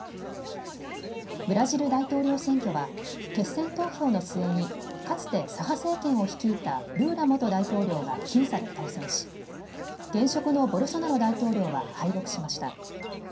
ブラジル大統領選挙は決選投票の末にかつて左派政権を率いたルーラ元大統領が僅差で当選し現職のボルソナロ大統領は敗北しました。